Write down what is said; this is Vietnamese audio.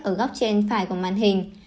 ở góc trên phải của màn hình